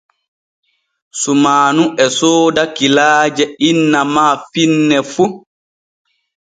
Sumaanu e sooda kilaaje inna ma finne fu.